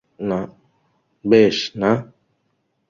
বেশ, না।